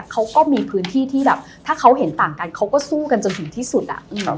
เขาก็มีพื้นที่ที่แบบถ้าเขาเห็นต่างกันเขาก็สู้กันจนถึงที่สุด